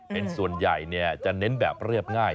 เป็นส่วนใหญ่จะเน้นแบบเรียบง่าย